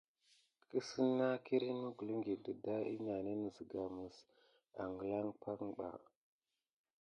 Kesine nà kirine mukulikine de dade nayany sika mis angula pan ama.